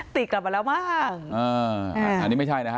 กลับมาแล้วมั้งอ่าอันนี้ไม่ใช่นะฮะ